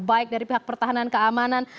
baik dari pihak pertahanan keamanan